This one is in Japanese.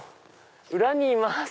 裏にいます！